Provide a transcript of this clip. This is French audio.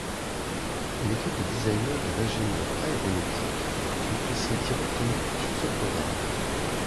Une équipe de designers et d'ingénieurs aéronautiques fut placé directement sur ce programme.